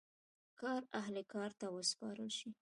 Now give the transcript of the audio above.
کار اهل کار ته وسپارل شي.